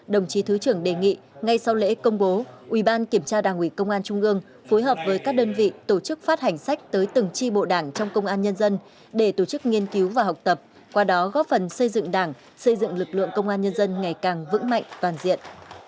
đồng chí thứ trưởng đề nghị ngay sau lễ công bố ủy ban kiểm tra đảng ủy công an trung ương phối hợp với các đơn vị tổ chức phát hành sách tới từng tri bộ đảng trong công an nhân dân để tổ chức nghiên cứu và học tập qua đó góp phần xây dựng đảng xây dựng lực lượng công an nhân dân ngày càng vững mạnh toàn diện